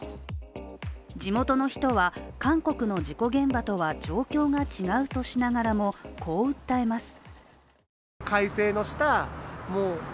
地元の人は、韓国の事故現場とは状況が違うとしながらもこう訴えます。